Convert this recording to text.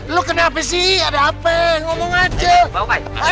bukannya yang kejar kejar